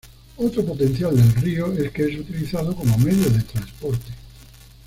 Otro potencial del río es que es utilizado como medio de transporte.